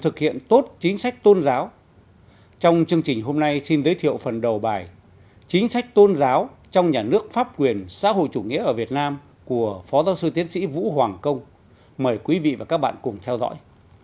chính sách tôn giáo trong nhà nước pháp quyền xã hội chủ nghĩa ở việt nam của phó giáo sư tiến sĩ vũ hoàng công mời quý vị và các bạn cùng theo dõi